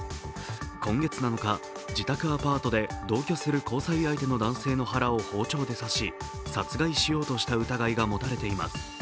今月７日、自宅アパートで同居する交際相手の男性の腹を包丁で刺し、殺害しようとした疑いがもたれています。